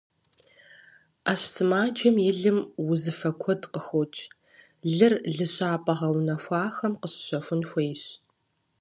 Ӏэщ сымаджэм и лым узыфэ куэд къыхокӏ, лыр лыщапӏэ гъэунэхуахэм къыщыщэхун хуейщ.